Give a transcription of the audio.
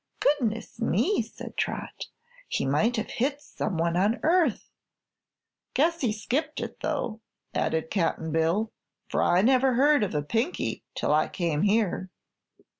"Goodness me!" said Trot. "He might have hit some one on the Earth." "Guess he skipped it, though," added Cap'n Bill, "for I never heard of a Pinky till I came here."